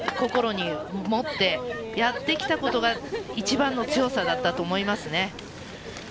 何でしょうね、心に持ってやってきたことが一番の強さだったと思いますね。